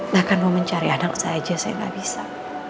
bahkan mau mencari anak saya aja saya nggak bisa